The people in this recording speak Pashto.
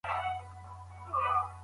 آیا تاسو د اثارو تاریخي جاج اخیستی دی؟